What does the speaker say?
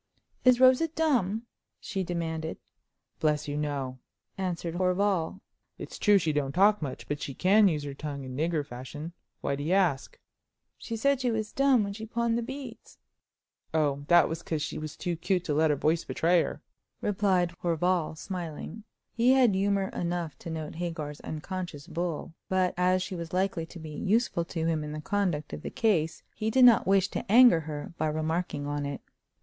"Is Rosa dumb?" she demanded. "Bless you, no!" answered Horval. "It's true as she don't talk much, but she can use her tongue in nigger fashion. Why do you ask?" "She said she was dumb when she pawned the beads." "Oh, that was 'cause she was too 'cute to let her voice betray her," replied Horval, smiling. He had humor enough to note Hagar's unconscious bull; but as she was likely to be useful to him in the conduct of the case, he did not wish to anger her by remarking on it.